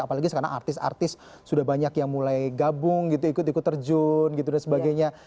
apalagi sekarang artis artis sudah banyak yang mulai gabung gitu ikut ikut terjun gitu dan sebagainya